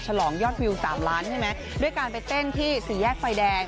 ฉลองยอดวิว๓ล้านใช่ไหมด้วยการไปเต้นที่สี่แยกไฟแดง